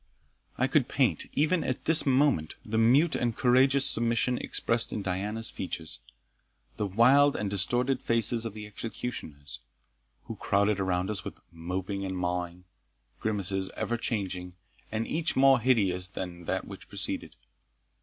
I could paint, even at this moment, the mute and courageous submission expressed in Diana's features the wild and distorted faces of the executioners, who crowded around us with "mopping and mowing;" grimaces ever changing, and each more hideous than that which preceded.